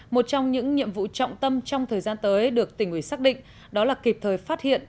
một trong những nhiệm vụ trọng tâm trong thời gian tới được tỉnh ủy xác định đó là kịp thời phát hiện